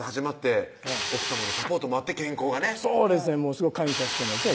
すごい感謝してますね